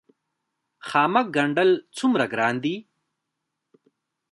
خامک ګنډل څومره ګران دي؟